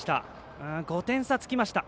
５点差つきました。